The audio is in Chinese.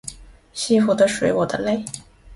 西湖的水我的泪